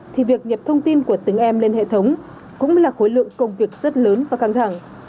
thì việc nhập thông tin của từng em lên hệ thống cũng là khối lượng công việc rất lớn và căng thẳng